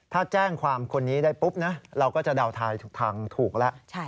ถ้าแจ้งความคนนี้ได้ปุ๊บนะเราก็จะเดาทายถูกทางถูกแล้ว